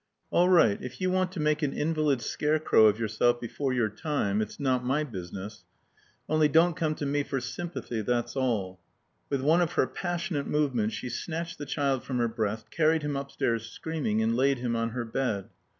"All right. If you want to make an invalid scarecrow of yourself before your time, it's not my business. Only don't come to me for sympathy, that's all." With one of her passionate movements, she snatched the child from her breast, carried him upstairs screaming and laid him on her bed.